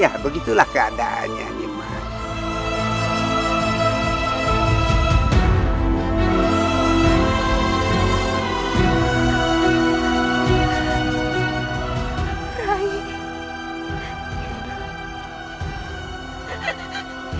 ya begitulah keadaannya nih mas